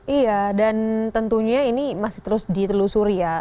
iya dan tentunya ini masih terus ditelusuri ya